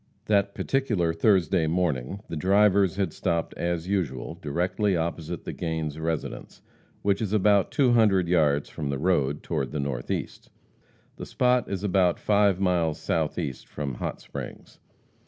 That particular Thursday morning the drivers had stopped, as usual, directly opposite the Gains residence, which is about two hundred yards from the road, toward the northeast. The spot is about five miles southeast from Hot Springs.